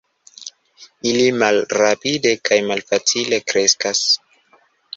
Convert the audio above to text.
Ili malrapide kaj malfacile kreskas.